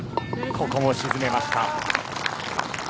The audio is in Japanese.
ここも沈めました。